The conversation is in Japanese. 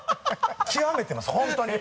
極めてます本当に。